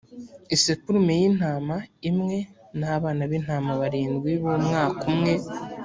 isekurume y’intama imwe, n’abana b’intama barindwi b’umwaka umwe;